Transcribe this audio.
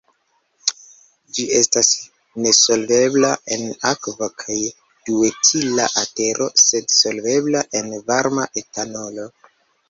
Ĝi estas nesolvebla en akvo kaj duetila etero sed solvebla en varma etanolo.